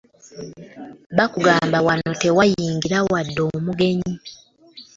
Baakugamba wano tewayingira wadde omugenyi.